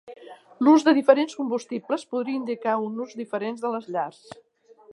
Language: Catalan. L'ús de diferents combustibles podria indicar un ús diferent de les llars.